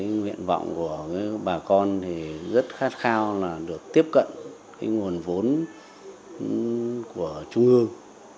nguyện vọng của bà con thì rất khát khao là được tiếp cận nguồn vốn của trung ương